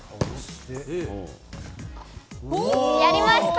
やりました。